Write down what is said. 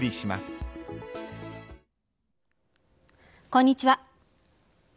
こんにちは。